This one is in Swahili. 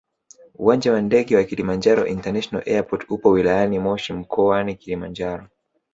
uwanja wa ndege wa kilimanjaro international airport upo wiliyani moshi mkoani Kilimanjaro